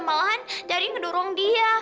malahan dari ngedorong dia